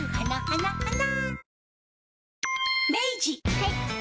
はい。